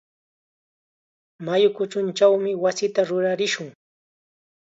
Mayu kuchunchaw wasita rurarishun.